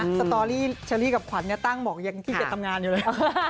สตอรี่เชอรี่กับขวัญเนี่ยตั้งบอกอย่างที่เก็บทำงานอยู่เลย